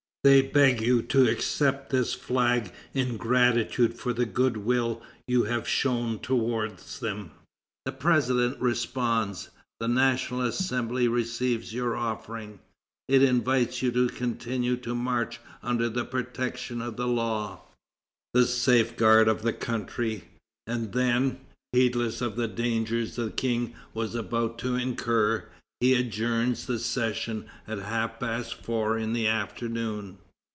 They beg you to accept this flag in gratitude for the good will you have shown towards them." The president responds: "The National Assembly receives your offering; it invites you to continue to march under the protection of the law, the safeguard of the country." And then, heedless of the dangers the King was about to incur, he adjourns the session at half past four in the afternoon.